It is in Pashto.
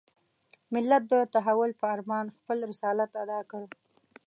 ملت د تحول په ارمان خپل رسالت اداء کړ.